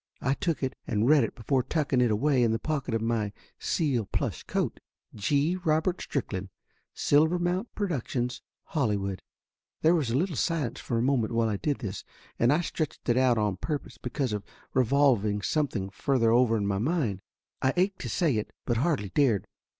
I took it and read it before tucking it away in the pocket of my seal plush coat: "G. Robert Strickland, Silvermount Productions, Hollywood." There was a little silence for a moment while I did this. And I stretched it out on purpose, because of revolving something further over in my mind. I ached to say it, but hardly dared.